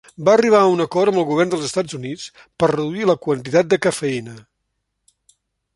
Va arribar a un acord amb el govern dels Estats Units per reduir la quantitat de cafeïna.